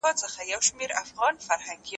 کمپيوټر مضمون ليکي.